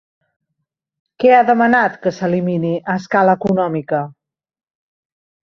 Què ha demanat que s'elimini a escala econòmica?